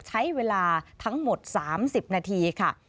ใช้เวลาทั้งหมด๓๐นาทีค่ะ